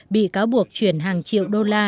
bị cáo buộc chuyển hàng triệu đô la